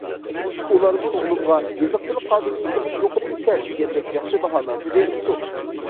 ئۇلارمۇ ئوغلۇمغا‹‹ يېزىقچىلىق قابىلىيىتىڭىز يۇقىرى ئىكەن›› دېگەندەك ياخشى باھالارنى بېرىپتۇ.